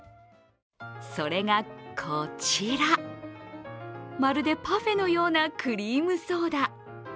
それがこちら、まるでパフェのようなクリームソーダ。